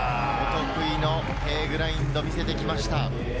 得意のＫグラインド、見せてきました。